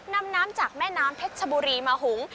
นำน้ำจากแม่น้ำเพชรชบุรีมาหุง